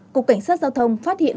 cục cảnh sát giao thông phát hiện